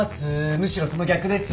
むしろその逆です。